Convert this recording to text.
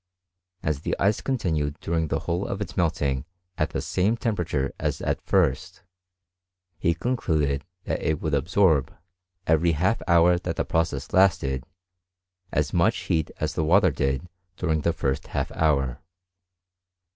As the ice continued during the whole of its melting at the same temper ature as at first, he concluded that it would absorb, every half hour that the process lasted, as much heat as the water did during the first half hour.